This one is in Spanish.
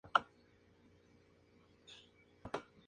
Nuestra señora del Buen Viaje es considerada la Candelaria del norte.